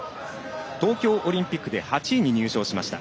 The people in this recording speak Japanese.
東京オリンピックで８位に入賞しました。